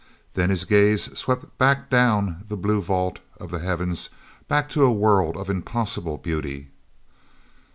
Then his gaze swept back down the blue vault of the heavens, back to a world of impossible beauty.